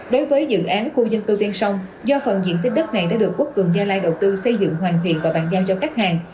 đối với dự án khu dân cư ven sông do phần diện tích đất này đã được quốc cường gia lai đầu tư xây dựng hoàn thiện và bàn giao cho khách hàng